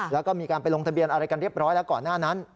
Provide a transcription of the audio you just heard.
แล้วก็มีการไปลงทะเบียนอะไรกันเรียบร้อยแล้วก่อนหน้านั้น